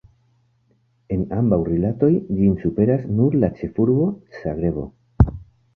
En ambaŭ rilatoj ĝin superas nur la ĉefurbo Zagrebo.